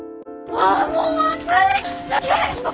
あっ！